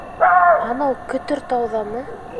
Анау Көтөртауҙамы?